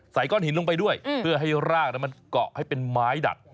ก้อนหินลงไปด้วยเพื่อให้รากนั้นมันเกาะให้เป็นไม้ดัด